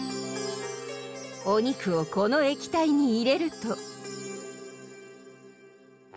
おにくをこの液体にいれると。